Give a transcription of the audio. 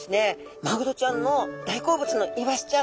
マグロちゃんの大好物のイワシちゃん